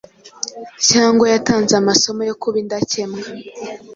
cyangwa yatanze amasomo yo kuba indakemwa?